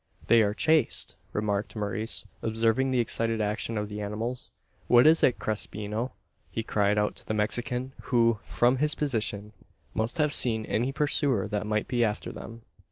"They are chased!" remarked Maurice, observing the excited action of the animals. "What is it, Crespino?" he cried out to the Mexican, who, from his position, must have seen any pursuer that might be after them.